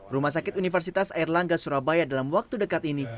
rumah sakit universitas airlangga surabaya dalam waktu dekat ini